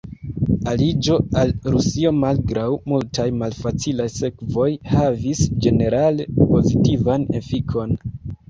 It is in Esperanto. Aliĝo al Rusio malgraŭ multaj malfacilaj sekvoj havis ĝenerale pozitivan efikon.